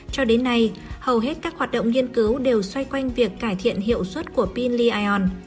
cho đến nay hầu hết các hoạt động nghiên cứu đều xoay quanh việc cải thiện hiệu suất của pin lion